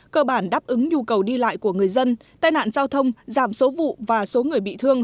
cơ bản đáp ứng nhu cầu đi lại của người dân tai nạn giao thông giảm số vụ và số người bị thương